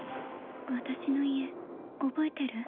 私の家覚えてる？